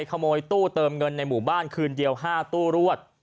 ขโมยตู้เติมเงินในหมู่บ้านคืนเดียว๕ตู้รวด